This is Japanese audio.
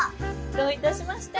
どういたしまして。